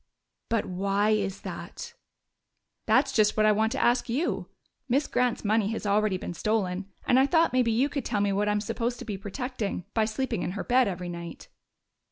"But why is that?" "That's just what I want to ask you! Miss Grant's money has already been stolen, and I thought maybe you could tell me what I'm supposed to be protecting by sleeping in her bed every night."